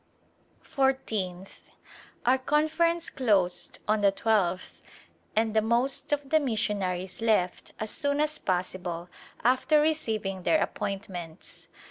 Fourteenth. Our Conference closed on the twelfth and the most of the missionaries left as soon as possible after receiving their appointments.